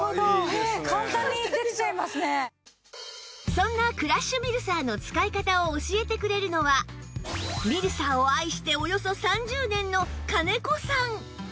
そんなクラッシュミルサーの使い方を教えてくれるのはミルサーを愛しておよそ３０年の金子さん